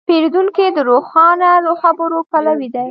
پیرودونکی د روښانه خبرو پلوی دی.